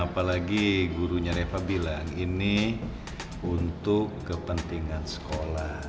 apalagi gurunya neva bilang ini untuk kepentingan sekolah